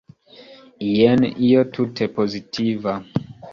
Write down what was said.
Jen io tute pozitiva.